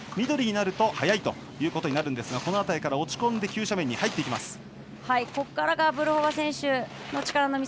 緑になると速いということになるんですがこの辺りから落ち込んで急斜面に入っていきます。